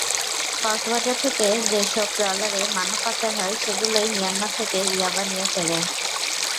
কক্সবাজার থেকে যেসব ট্রলারে মানব পাচার হয়, সেগুলোই মিয়ানমার থেকে ইয়াবা নিয়ে ফেরে।